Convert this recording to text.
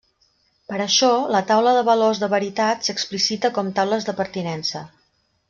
Per això, la taula de valors de veritat s'explicita com taules de pertinença.